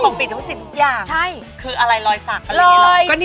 ปกปิดสิ่งทุกอย่างคืออะไรรอยซักอะไรอีกละ